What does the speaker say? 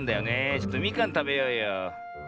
ちょっとみかんたべようよ。